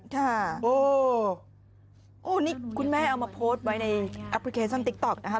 ค่ะโอ้นี่คุณแม่เอามาโพสต์ไว้ในแอปพลิเคชันติ๊กต๊อกนะคะ